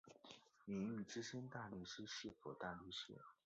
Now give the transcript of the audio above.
名誉资深大律师是否大律师？